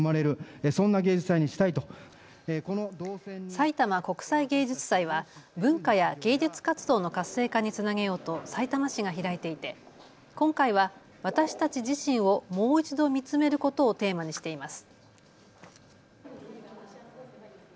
さいたま国際芸術祭は文化や芸術活動の活性化につなげようとさいたま市が開いていて今回はわたしたち自身をもう一度みつめることをテーマにしています。